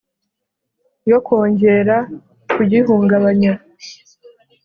Yo kwongera kugihungabanya